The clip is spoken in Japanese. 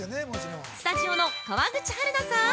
スタジオの川口春奈さん